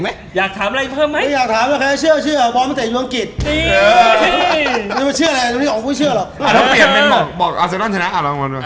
อันตรงเปรียบเบทย์บอกอาร์เซโน้นชนะ